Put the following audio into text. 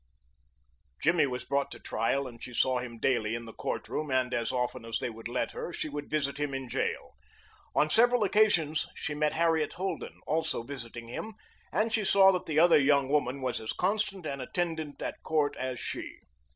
Jimmy was brought to trial, and she saw him daily in the courtroom and as often as they would let her she would visit him in jail. On several occasions she met Harriet Holden, also visiting him, and she saw that the other young woman was as constant an attendant at court as she.